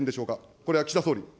これは岸田総理。